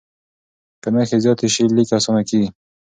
که نښې زیاتې سي، لیک اسانه کېږي.